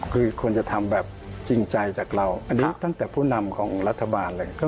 คือควรจะทำแบบจริงใจจากเราอันนี้ตั้งแต่ผู้นำของรัฐบาลเลย